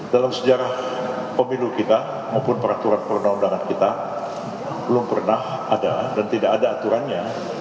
dalam sejarah pemilu kita maupun peraturan perundang undangan kita belum pernah ada dan tidak ada aturannya